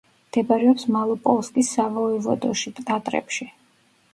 მდებარეობს მალოპოლსკის სავოევოდოში, ტატრებში.